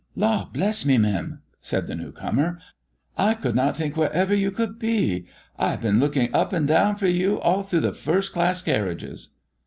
"Law bless me, mem!" said the newcomer, "I could not think wherever you could be. I have been looking up and down for you, all through the first class carriages."